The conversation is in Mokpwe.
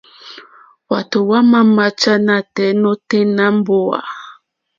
Hwátò hwámà máchá nátɛ̀ɛ̀ nôténá mbówà.